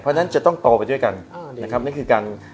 เพราะฉะนั้นจะต้องโตไปด้วยกันนะครับ